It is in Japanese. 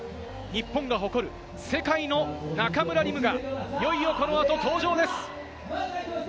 日本が誇る世界の中村輪夢がいよいよ、この後登場です。